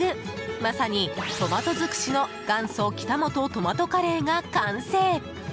まさにトマト尽くしの元祖北本トマトカレーが完成。